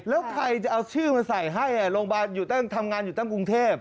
แล้วใครจะเอาชื่อมาใส่ให้โรงพยาบาลทำงานอยู่ตั้งกรุงเทพ